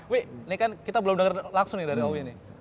wih ini kan kita belum denger langsung nih dari owi nih